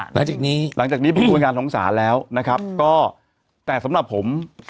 หลังจากนี้หลังจากนี้ผู้บริการสงสารแล้วนะครับก็แต่สำหรับผม